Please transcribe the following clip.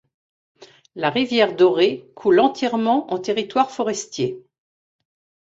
La rivière Doré coule entièrement en territoire forestier.